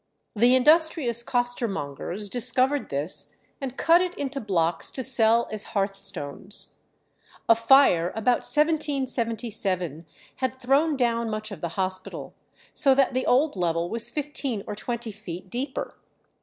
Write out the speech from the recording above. The industrious costermongers discovered this, and cut it into blocks to sell as hearthstones. A fire about 1777 had thrown down much of the hospital, so that the old level was fifteen or twenty feet deeper.